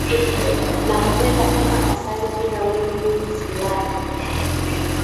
Nakupenda kama asali bila wewe mimi silali